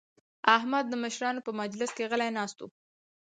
احمد د مشرانو په مجلس کې غلی ناست وي.